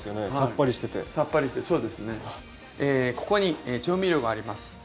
ここに調味料があります。